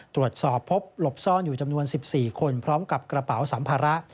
ตรวจสอบพบหลบซ่อนอยู่จำนวน๑๔คนพร้อมกับกระเป๋าสัมภาระ